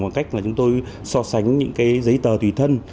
bằng cách là chúng tôi so sánh những cái giấy tờ tùy thân